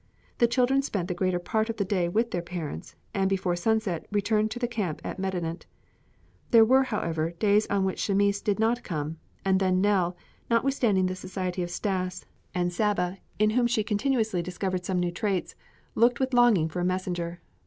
The children spent the greater part of the day with their parents and before sunset returned to the camp at Medinet. There were, however, days on which Chamis did not come, and then Nell, notwithstanding the society of Stas, and Saba in whom she continually discovered some new traits, looked with longing for a messenger.